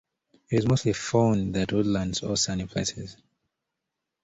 It is mostly found at woodlands or sunny places.